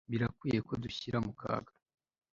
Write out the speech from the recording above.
birakwiye ko dushyira mu kaga